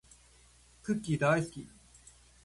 クッキーだーいすき